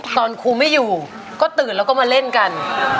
ครูไม่อยู่ก็ตื่นแล้วก็มาเล่นกัน